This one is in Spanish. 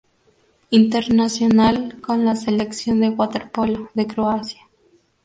Internacional con la selección de waterpolo de Croacia.